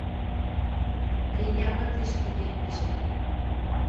Преня кытеш пилен пиштен